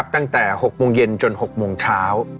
ตั้งแต่๖โมงเย็นจน๖โมงเช้า